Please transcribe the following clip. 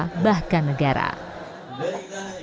dari berbagai daerah dari berbagai daerah dari berbagai daerah